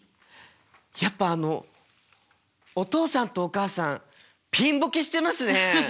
やっぱあのおとうさんとおかあさんピンボケしてますね！